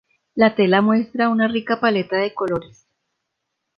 La tela muestra una rica paleta de colores.